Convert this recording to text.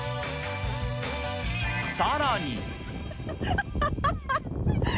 さらに。